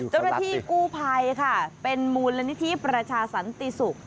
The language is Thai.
เจ้าหน้าที่กู้ภัยค่ะเป็นมูลนิธิประชาสันติศุกร์